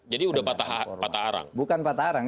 jadi sudah patah arang bukan patah arang